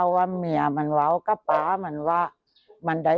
ว่าอย่างนี้คนใหญ่ก็ไม่รู้เรื่องนำนะ